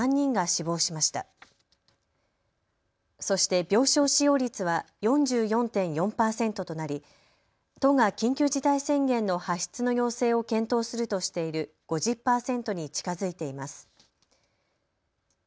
そして病床使用率は４４．４％となり都が緊急事態宣言の発出の要請を検討するとしている５０％に近づいています。